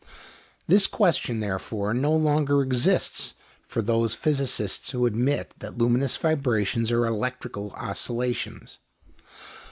This question, therefore, no longer exists for those physicists who admit that luminous vibrations are electrical oscillations.